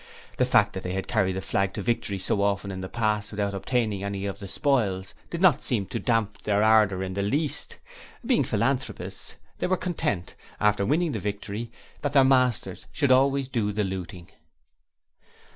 The fact that they had carried the flag to victory so often in the past without obtaining any of the spoils, did not seem to damp their ardour in the least. Being philanthropists, they were content after winning the victory that their masters should always do the looting.